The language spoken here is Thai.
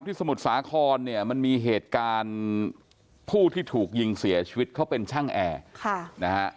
สมุทรสาครเนี่ยมันมีเหตุการณ์ผู้ที่ถูกยิงเสียชีวิตเขาเป็นช่างแอร์นะฮะ